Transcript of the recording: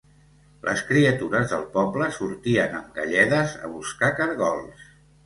Les criatures del poble sortien amb galledes a buscar cargols